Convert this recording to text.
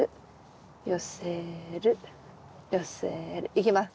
いきます。